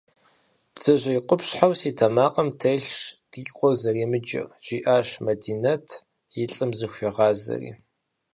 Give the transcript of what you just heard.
Бдзэжьей къупщхьэу си тэмакъым телъщ ди къуэр зэремыджэр, – жиӀащ Мадинэт, и лӀым зыхуигъазэри.